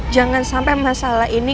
jangan sampai masalah ini